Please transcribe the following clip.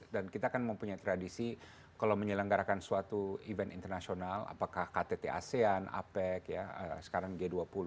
dan kita kan mempunyai tradisi kalau menyelenggarakan suatu event internasional apakah ktt asean apec sekarang g dua puluh